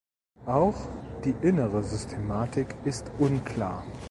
Auch die innere Systematik ist unklar.